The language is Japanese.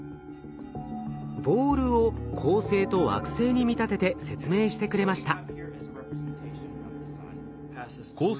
ボールを恒星と惑星に見立てて説明してくれました。